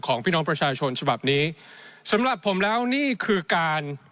พี่น้องประชาชนฉบับนี้สำหรับผมแล้วนี่คือการ